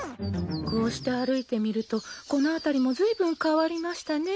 こうして歩いてみるとこの辺りもずいぶん変わりましたねぇ。